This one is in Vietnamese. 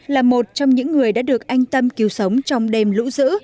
là một trong những người đã được anh tâm cứu sống trong đêm lũ giữ